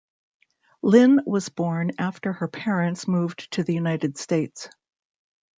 Linn was born after her parents moved to the United States.